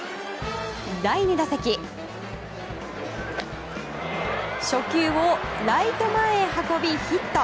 第２打席初球をライト前へ運びヒット。